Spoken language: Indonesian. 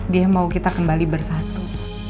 dia mau kita kembali bersatu